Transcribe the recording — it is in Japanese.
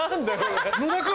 野田君！